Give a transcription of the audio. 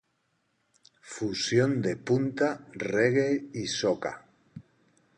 Fusión de punta, reggae y soca.